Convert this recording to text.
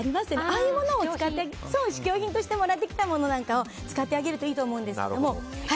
ああいうものを使って試供品としてもらってきたものを使ってあげるといいと思うんですけども。